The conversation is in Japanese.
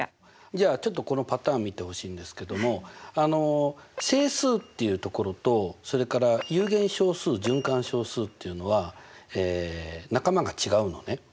じゃあちょっとこのパターン見てほしいんですけどもあの整数っていうところとそれから有限小数循環小数っていうのはえ仲間が違うのね。